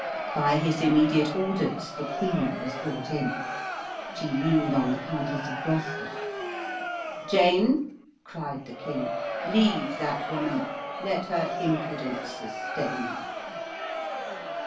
By his immediate orders the queen was brought in. She leaned on the Countess of Gloucester. "Jane," cried the king, "leave that woman; let her impudence sustain her."